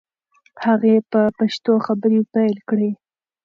هغې په پښتو خبرې پیل کړې.